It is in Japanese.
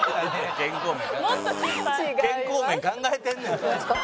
健康面考えてんねんて。